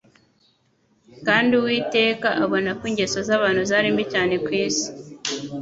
"Kandi Uwiteka abona ' ko ingeso z'abantu zari mbi cyane ku isi,